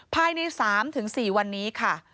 ภายใน๓๔วันนี้ค่ะ